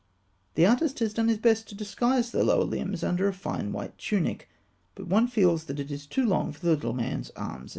The artist has done his best to disguise the lower limbs under a fine white tunic; but one feels that it is too long for the little man's arms and legs.